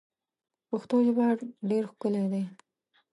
پښتو ژبه ډیر ښکلی ده.